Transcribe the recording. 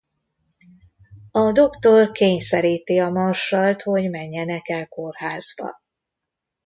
A doktor kényszeríti a marsall-t hogy menjenek el a kórházba.